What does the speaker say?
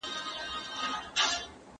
خیر محمد د مېرمنې هیلې پوره کولې.